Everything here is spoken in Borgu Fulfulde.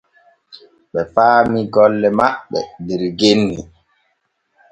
Ɓe paami golle maɓɓe der genni.